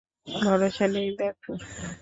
ভরসা নেই, দেখ।